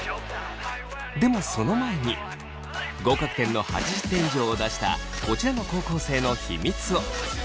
でもその前に合格点の８０点以上を出したこちらの高校生の秘密を。